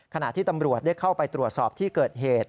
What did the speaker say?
ขณะที่ตำรวจได้เข้าไปตรวจสอบที่เกิดเหตุ